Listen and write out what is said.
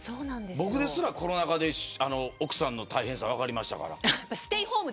僕ですらコロナ禍で奥さんの大変さ分かりました。